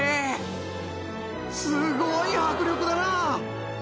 すごい迫力だなあ。